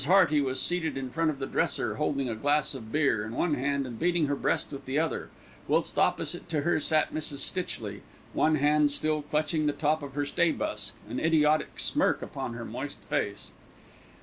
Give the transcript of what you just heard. Hearty was seated in front of the dresser, holding a glass of beer in one hand and beating her breast with the other, whilst opposite to her sat Mrs. Stitchley, one hand still clutching the top of her stay busk, an idiotic smirk upon her moist face.